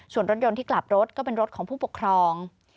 ส่วนรถยนต์ที่กลับรถก็เป็นรถของผู้ปกครอง